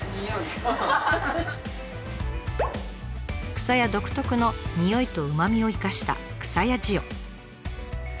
くさや独特のにおいとうまみを生かしたくさや塩。